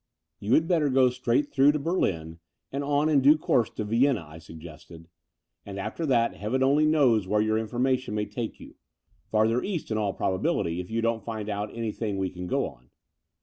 "You had better go straight through to Berlin and on, in due course, to Vienna," I suggested, *'and after that Heaven only knows where your information may take you — ^farther East in all probability, if you don't find out anything we can go upon.